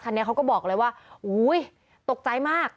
นี้เขาก็บอกเลยว่าอุ้ยตกใจมาก